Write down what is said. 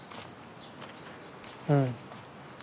うん。